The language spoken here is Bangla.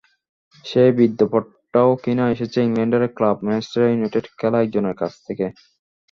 সেই বিদ্রূপটাও কিনা এসেছে ইংল্যান্ডেরই ক্লাব ম্যানচেস্টার ইউনাইটেডে খেলা একজনের কাছ থেকে।